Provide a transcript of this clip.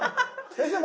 先生